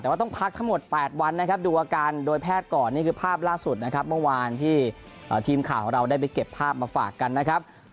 แต่ว่าต้องพักทั้งหมด๘วันนะครับดูอาการโดยแพทย์ก่อนนี่คือภาพล่าสุดนะครับเมื่อวานที่ทีมข่าวของเราได้ไปเก็บภาพมาฝากกันนะครับ